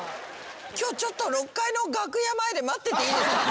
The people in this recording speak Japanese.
今日６階の楽屋前で待ってていいですか？